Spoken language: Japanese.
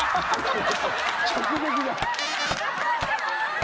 直撃だ。